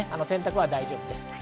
洗濯は大丈夫です。